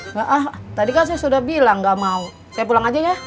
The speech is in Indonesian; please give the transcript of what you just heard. mbak ah tadi kan saya sudah bilang gak mau saya pulang aja ya